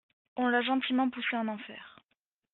on l’a gentiment poussé en enfer